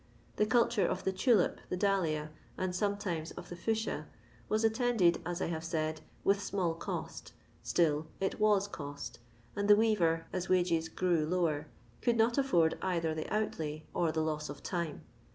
The culture of the tulip, the dahlia, and (sometimes) of the fuchsia, was attended, as I have said, with small cost, still it vom cos^ and the weaver, as wages grew lower, could not afford either the out lay or the loss of time.